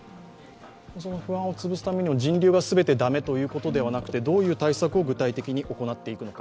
その不安を潰すためにも人流が全て駄目ということではなくて、どういう対策を具体的に行っていくのか。